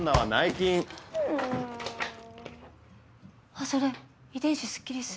あっそれ「遺伝子すっきり水」。